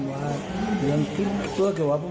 วันนี้ทีมข่าวไทยรัฐทีวีไปสอบถามเพิ่ม